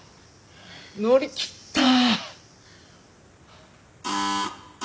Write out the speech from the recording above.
乗りきった！